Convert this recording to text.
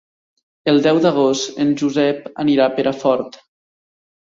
El deu d'agost en Josep anirà a Perafort.